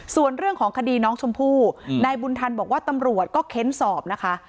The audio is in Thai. ส่วนเรื่องของคดีน้องชมพู่นายบุญธรรมบอกว่าตำรวจก็เค้นสอบนะคะ